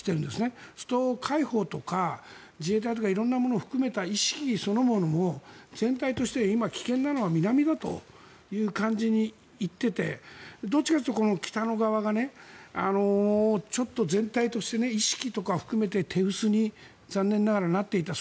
そうすると海保とか自衛隊とか色んなものを含めた意識そのものを全体として危険なのは南だという感じに行っててどっちかというと北側がちょっと全体として意識とか含めて手薄に残念ながらなっていた。